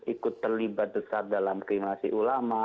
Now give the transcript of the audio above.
ikut terlibat ustaz dalam kriminalisasi ulama